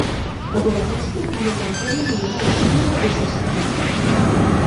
Agora mesmo non manteñen nin o máis mínimo dese espírito.